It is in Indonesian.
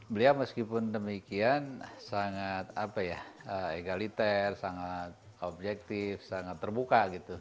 beliau meskipun demikian sangat egaliter sangat objektif sangat terbuka